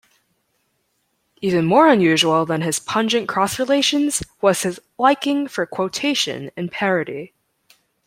Even more unusual than his pungent cross-relations was his liking for quotation and parody.